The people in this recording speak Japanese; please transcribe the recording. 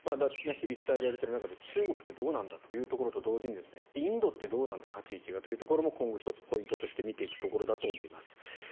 日々伝えられている中で中国ってどうなんだというところと同時にインドってどうなんだ立ち位置がというところを今後ポイントとして見ていくことだと思います。